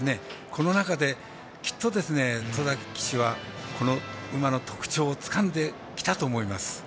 この中で、戸崎騎手はこの馬の特徴をつかんできたと思います。